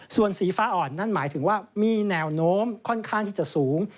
ส่วนสีฟ้าอ่อนนั่นหมายถึงว่ามีแนวโน้มค่อนข้างที่จะสูง